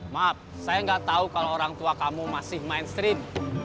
maaf saya nggak tahu kalau orang tua kamu masih mainstream